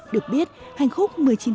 được biết hành khúc một mươi chín tháng tám